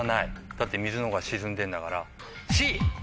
だって水のほうが沈んでるんだから。